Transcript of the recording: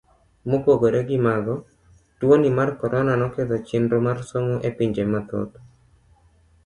Mopogore gi mago, tuoni mar korona noketho chenro mar somo e pinje mathoth.